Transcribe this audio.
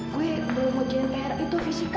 gue belum mau jalan ke hera itu fisika